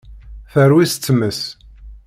Terwi s tmes.